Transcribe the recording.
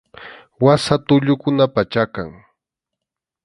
Wasa tullukunapa chakan.